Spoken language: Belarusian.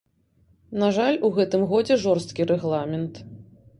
На жаль, у гэтым годзе жорсткі рэгламент.